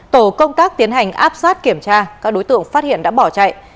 tổ công tác tiến hành áp sát kiểm tra các đối tượng phát hiện đã bỏ chạy